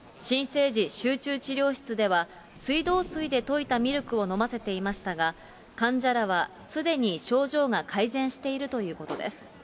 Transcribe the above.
新生児集中治療室では、水道水で溶いたミルクを飲ませていましたが、患者らはすでに症状が改善しているということです。